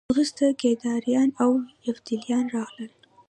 وروسته کیداریان او یفتلیان راغلل